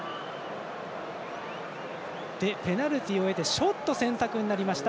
ペナルティを得てショット選択となりました